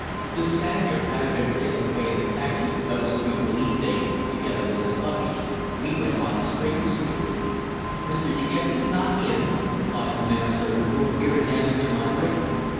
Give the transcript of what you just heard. The Spaniard having been taken away in a taxi to Bow Street Police Station, together with his luggage, we went on to Stretton Street. "Mr. De Gex is not in," replied the man servant who appeared in answer to my ring.